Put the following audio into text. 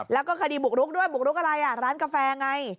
แล้วก็คดีบุกรุกด้วยบุกรุกอะไรอ่ะร้านกาแฟไง